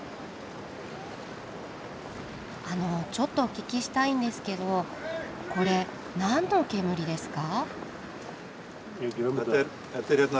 あのちょっとお聞きしたいんですけどこれ何の煙ですか？